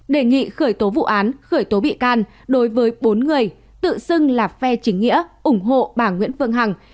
đề nghị khởi tố vụ án khởi tố bị can đối với bốn người tự xưng là phe chính nghĩa ủng hộ bà nguyễn phương hằng